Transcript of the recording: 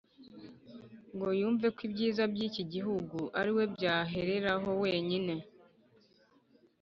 ngo yumve ko ibyiza by'iki gihugu ari we byahereraho wenyine.